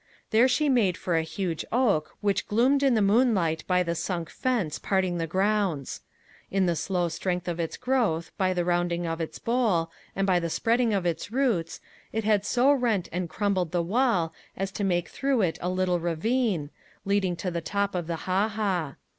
There she made for a huge oak, which gloomed in the moonlight by the sunk fence parting the grounds. In the slow strength of its growth, by the rounding of its bole, and the spreading of its roots, it had so rent and crumbled the wall as to make through it a little ravine, leading to the top of the ha ha.